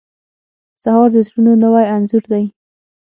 سهار د زړونو نوی انځور دی.